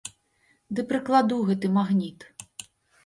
Ды прыкладу, гэты магніт.